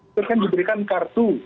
itu kan diberikan kartu